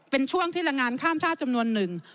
เป็นช่วงที่แรงงานข้ามชาติจำนวนหนึ่ง